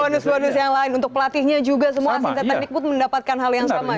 bonus bonus yang lain untuk pelatihnya juga semua sintetanik pun mendapatkan hal yang sama ya